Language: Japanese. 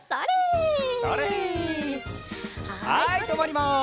はいとまります。